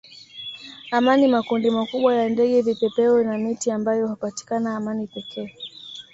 amani makundi makubwa ya ndege vipepeo na miti ambayo hupatikana amani pekee